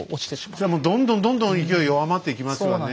それはもうどんどんどんどん勢い弱まっていきますわねえ。